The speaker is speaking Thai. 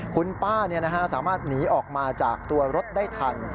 คุณป้าสามารถหนีออกมาจากตัวรถได้ทัน